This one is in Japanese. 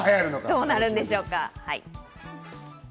どうなるんでしょうか。